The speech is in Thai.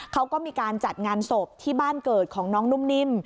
เขาก็มีการจัดงานศพที่บ้านเกิดของน้องนุ่มนิ่ม